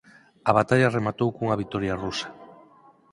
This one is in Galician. A batalla rematou cunha vitoria rusa.